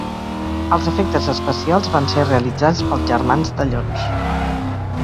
Els efectes especials van ser realitzats pels germans Dallons.